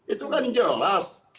itu kan jelas